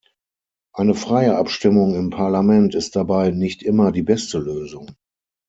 Eine freie Abstimmung im Parlament ist dabei nicht immer die beste Lösung.